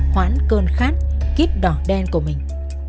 hoãn cơn khát kít đỏ đen của mình